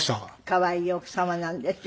可愛い奥様なんですよ